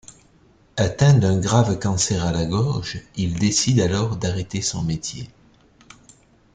Atteint d'un grave cancer à la gorge, il décide alors d'arrêter son métier.